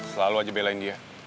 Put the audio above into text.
selalu aja belain dia